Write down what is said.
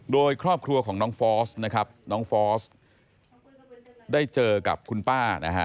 โดยครอบครัวของน้องฟอร์สได้เจอกับคุณป้า